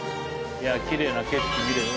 いやきれいな景色見られた。